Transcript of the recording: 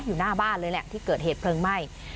อยู่หน้าบ้านเลยแหละที่เกิดเหตุเพลิงไหม้